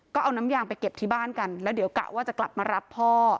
ก็เอาน้ำยางไปเก็บที่บ้านกันแล้วเดี๋ยวกะว่าจะกลับมารับพ่อ